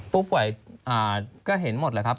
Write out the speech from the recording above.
ปุ๊บไหวก็เห็นหมดแหละครับ